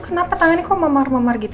artinya bisa uituh sampein